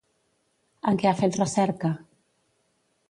En què ha fet recerca?